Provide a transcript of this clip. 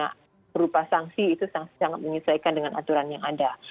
karena berupa sanksi itu sangat menyesuaikan dengan aturan yang ada